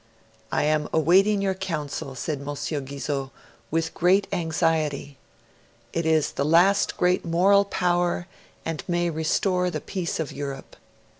'I am awaiting your Council,' said M. Guizot, 'with great anxiety. It is the last great moral power and may restore the peace of Europe.'